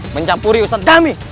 mencampuri usah dami